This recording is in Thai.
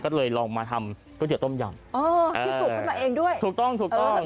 ก็เลยลองมาทำก๋วยเตี๋ต้มยำอ๋อที่สุกขึ้นมาเองด้วยถูกต้องถูกต้อง